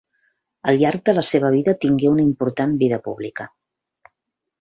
Al llarg de la seva vida tingué una important vida pública.